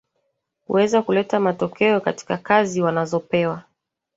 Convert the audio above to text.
kuweza kuleta matokeo katika kazi wanazopewa